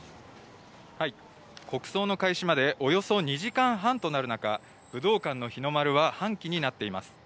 国葬の開始までおよそ２時間半となる中、武道館の日の丸は半旗になっています。